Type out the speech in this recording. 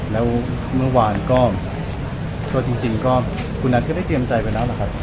แล้วเมื่อวานก็จริงก็คุณนัทก็ได้เตรียมใจไปแล้วนะครับ